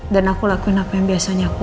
dan aku lakuin apa yang biasanya aku lakuin